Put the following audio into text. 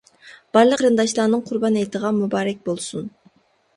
بارلىق قېرىنداشلارنىڭ قۇربان ھېيتىغا مۇبارەك بولسۇن!